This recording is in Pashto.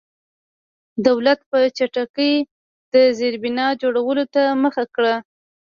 دولت په چټکۍ د زېربنا جوړولو ته مخه کړه.